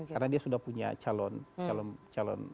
karena dia sudah punya calon